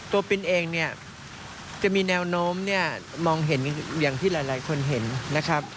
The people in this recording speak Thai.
ปินเองเนี่ยจะมีแนวโน้มเนี่ยมองเห็นอย่างที่หลายคนเห็นนะครับ